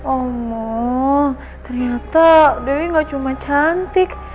allah ternyata dewi gak cuma cantik